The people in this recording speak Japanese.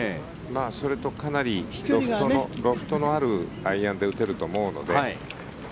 それと、かなりロフトのあるアイアンで打てると思うので。